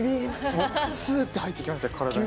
すーって入ってきました体に。